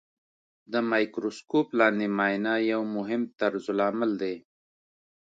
د مایکروسکوپ لاندې معاینه یو مهم طرزالعمل دی.